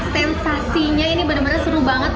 sensasinya ini benar benar seru banget